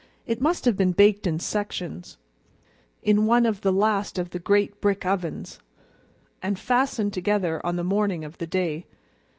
It must have been baked in sections, in one of the last of the great brick ovens, and fastened together on the morning of the day.